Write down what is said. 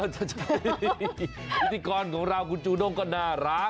ใช่พิธีกรของเราคุณจูด้งก็น่ารัก